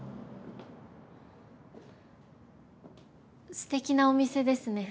すてきなお店ですね。